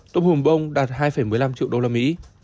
tôm hùm bông đạt hai một mươi năm triệu usd